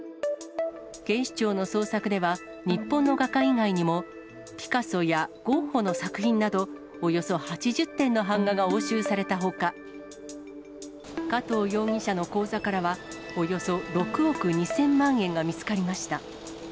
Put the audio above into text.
警視庁の捜索では、日本の画家以外にも、ピカソやゴッホの作品などおよそ８０点の版画が押収されたほか、加藤容疑者の口座からは、およそ６億２０００万円が見つかりました。